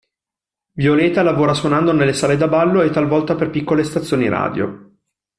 Violeta lavora suonando nelle sale da ballo e talvolta per piccole stazioni radio.